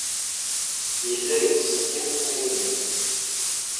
Yella yettṣeggim timrinin.